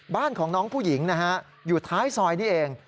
บ้านของน้องผู้หญิงนะฮะอยู่ท้ายซอยนี่เอง